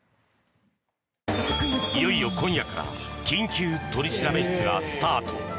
いよいよ今夜から「緊急取調室」がスタート。